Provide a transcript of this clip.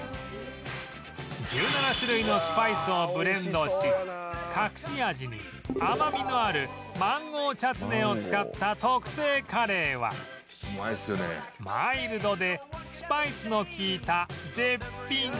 １７種類のスパイスをブレンドし隠し味に甘みのあるマンゴーチャツネを使った特製カレーはマイルドでスパイスの利いた絶品